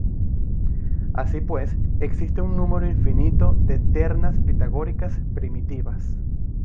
Así pues, existe un número infinito de ternas pitagóricas primitivas.